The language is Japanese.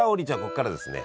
こっからですね